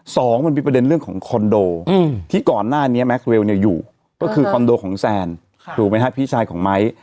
สองมันมีประเด็นเรื่องของคอนโดที่ก่อนหน้านี้แม็กเวลเนี่ยอยู่ก็คือคอนโดของแซนถูกไหมครับพี่ชายของไม้